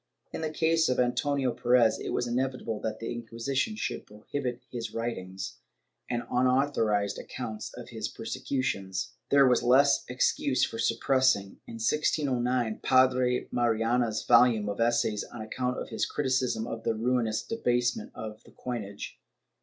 In the case of Antonio Perez, it was inevitable that the Inquisition should prohibit his writings and unauthorized accounts of his persecu tions. There was less excuse for suppressing, in 1609, Padre Mariana's volume of essays on account of his criticism of the ruinous debasement of the coinage.